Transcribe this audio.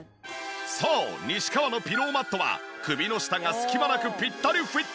そう西川のピローマットは首の下が隙間なくピッタリフィット！